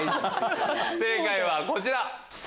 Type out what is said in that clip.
正解はこちら。